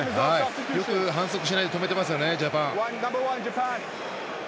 よく反則しないで止めてますよね、ジャパン。